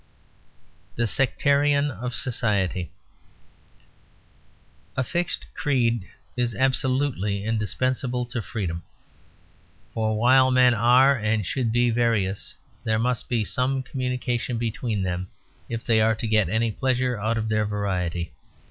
THE SECTARIAN OF SOCIETY A fixed creed is absolutely indispensable to freedom. For while men are and should be various, there must be some communication between them if they are to get any pleasure out of their variety.